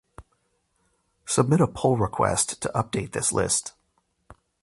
Submit a pull request to update this list